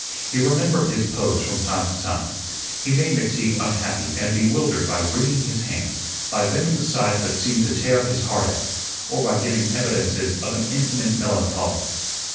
He remembered his pose from time to time. He made McTeague unhappy and bewildered by wringing his hand, by venting sighs that seemed to tear his heart out, or by giving evidences of an infinite melancholy.